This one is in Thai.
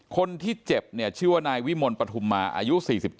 คนที่เจ็บเนี่ยชื่อว่านายวิมลปฐุมมาอายุ๔๗